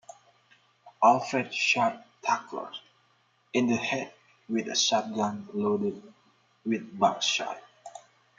Alfred shot Tucker in the head with a shot gun loaded with buckshot.